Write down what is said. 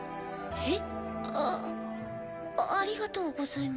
えっ⁉